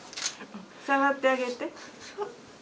触ってあげて。